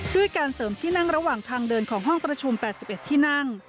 ด้วยการเสริมที่นั่งระหว่างทางเดินของห้องประชุม๘๑ที่นั่ง